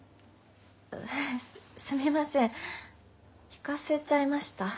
ああすみません引かせちゃいました？